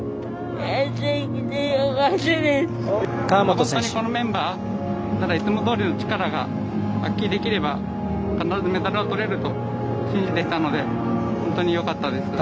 本当にこのメンバーのいつもどおり力が発揮できれば必ずメダルは取れると信じてきたので本当によかったです。